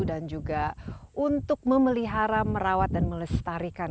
dan juga untuk memelihara merawat dan melestarikan